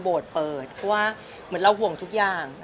บางทีเราห่วงทุกอย่าง